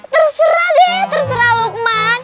terserah deh terserah lukman